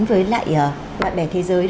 với lại bạn bè thế giới